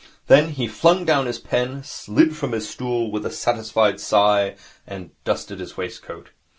Then he flung down his pen, slid from his stool with a satisfied sigh, and dusted his waistcoat.